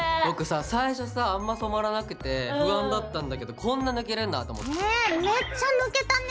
僕さ最初さあんま染まらなくて不安だったんだけどこんな抜けるんだと思って。